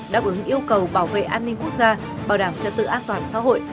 đáp ứng yêu cầu bảo vệ an ninh quốc gia bảo đảm chất tự ác toàn xã hội